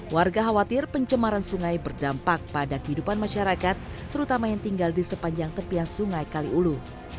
warga khawatir pencemaran sungai berdampak pada kehidupan masyarakat terutama yang tinggal di sepanjang tepian sungai kaliulu